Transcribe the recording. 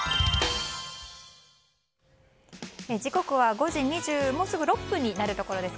時刻は５時２０もうすぐ６分になるところです。